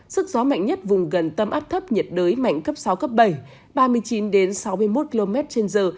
sức gió mạnh nhất vùng gần tâm áp thấp nhiệt đới mạnh cấp sáu cấp bảy ba mươi chín sáu mươi một km trên giờ